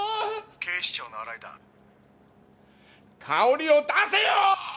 ☎警視庁の新井だ香織を出せよー！